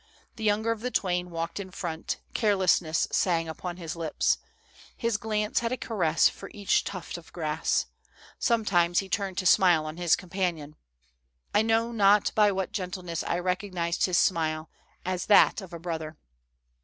The younger of the twain walked in front ; carelessness sang upon his lips; his glance had a ca ress for each tuft of grass. Sometimes, he turned to smile on his companion. I know not by what gentleness I recognized his smile as that of a brother.